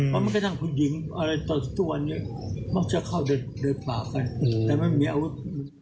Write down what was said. ว่าไม่กระทั่งผู้หญิงอะไรต่อสัตว์อันนี้มักจะเข้าเดินป่ากันแต่ไม่มีอาวุธ